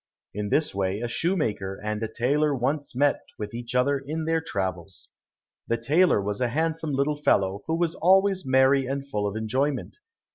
In this way a shoemaker and a tailor once met with each other in their travels. The tailor was a handsome little fellow who was always merry and full of enjoyment.